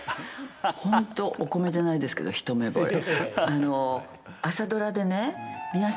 本当、お米じゃないですけど一目ぼれ。